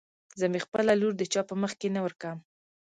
زه مې خپله لور د چا په مخکې نه ورکم.